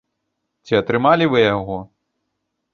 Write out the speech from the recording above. Ці атрымалі вы яго?